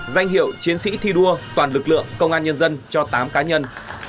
danh hiệu chiến sĩ thi đua toàn lực lượng công an nhân dân cho tám cá nhân